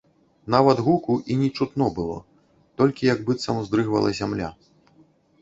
Нават гуку і не чутно было, толькі як быццам уздрыгвала зямля.